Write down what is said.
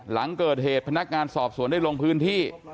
หลังเกิดเหตุพนักงานสอบสวนได้ลงพื้นที่